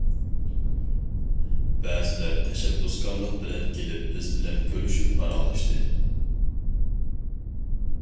بەزىلەر تەشەببۇسكارلىق بىلەن كېلىپ بىز بىلەن كۆرۈشۈپ پاراڭلاشتى.